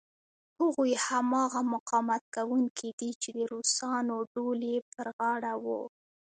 هغوی هماغه مقاومت کوونکي دي چې د روسانو ډول یې پر غاړه و.